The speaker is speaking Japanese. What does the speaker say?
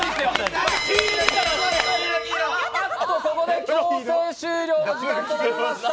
ここで強制終了の時間となりました